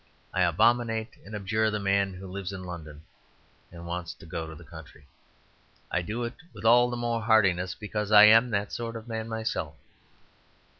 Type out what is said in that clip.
I abominate and abjure the man who lives in London and wants to go to the country; I do it with all the more heartiness because I am that sort of man myself.